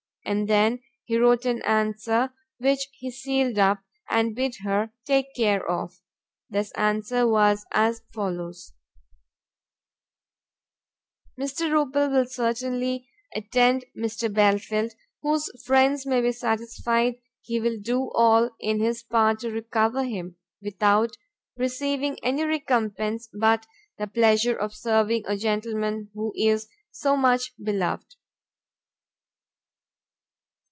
And then he wrote an answer, which he sealed up, and bid her take care of. This answer was as follows: "Mr. Rupil will certainly attend Mr. Belfield, whose friends may be satisfied he will do all in his power to recover him, without receiving any recompense but the pleasure of serving a gentleman who is so much beloved."